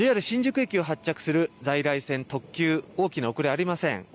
ＪＲ新宿駅を発着する在来線、特急、大きな遅れはありません。